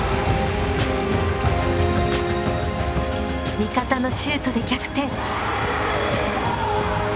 味方のシュートで逆転。